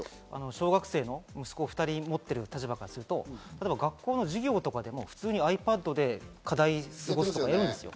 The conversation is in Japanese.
小学生の息子２人を持っている立場からすると、学校の授業とかでもｉＰａｄで課題とかやるんですよ。